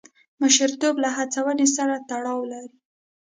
مشرتوب له هڅونې سره تړاو لري.